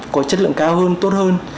có chất lượng cao hơn tốt hơn